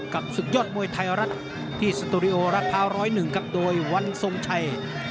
กับสุขยอดมวยไทยรัฐที่สตูรีโอรัตภาว๑๐๑กับโดยวันสมชัย